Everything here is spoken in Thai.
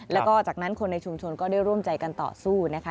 แล้วก็จากนั้นคนในชุมชนก็ได้ร่วมใจกันต่อสู้นะคะ